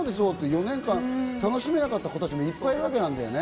４年間楽しめなかった子たちもいっぱいいるわけなんだよね。